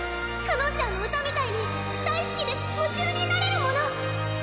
かのんちゃんの歌みたいに大好きで夢中になれるもの！